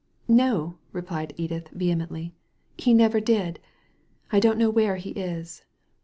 "No," replied Edith, vehemently, "he never did. I don't know where he is."